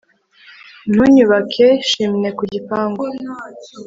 Ntunyubake chimney ku gipangu